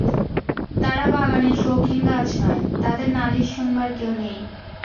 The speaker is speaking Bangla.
তারা বাগানের শৌখিন গাছ নয়, তাদের নালিশ শোনবার কেউ নেই।